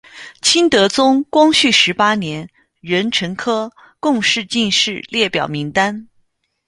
清德宗光绪十八年壬辰科贡士进士列表名单。